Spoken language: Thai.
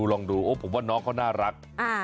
ลองดูผมว่าน้องเขาน่ารัก